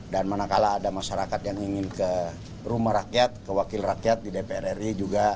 dan mana kalah ada masyarakat yang ingin ke rumah rakyat kewakil rakyat di dpr ri juga